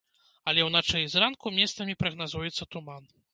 Але ўначы і зранку месцамі прагназуецца туман.